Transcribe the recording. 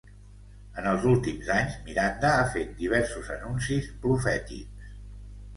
En els últims anys Miranda ha fet diversos anuncis profètics.